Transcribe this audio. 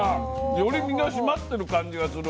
より身が締まってる感じがする。